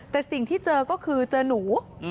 แต่สิ่งที่เจอก็คือเจอหนู